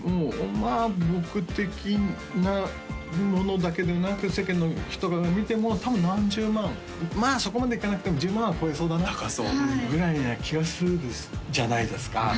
まあ僕的なものだけでなく世間の人が見ても多分何十万まあそこまでいかなくても１０万は超えそうだなとぐらいな気がするじゃないですか